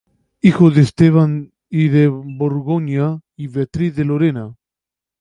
Hijo de Esteban I de Borgoña y Beatriz de Lorena.